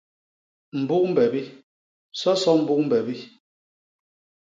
Mbuk mbebi; soso mbuk mbebi.